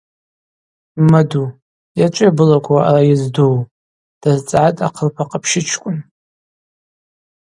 Ммаду, йачӏвыйа былаква ауи аъара йыздуу? -дазцӏгӏатӏ Ахъылпа къапщычкӏвын.